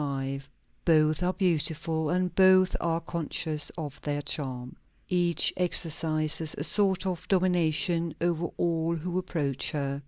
Both are beautiful, and both are conscious of their charm. Each exercises a sort of domination over all who approach her.